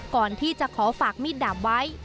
ก่อนที่จะขอฝากมีดดาบไว้